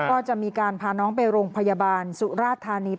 ก็จะมีการพาน้องไปโรงพยาบาลสุราธานี